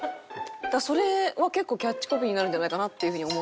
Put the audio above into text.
だからそれは結構キャッチコピーになるんじゃないかなっていう風に。